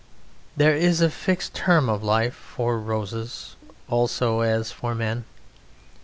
There is a fixed term of life for roses also as for men.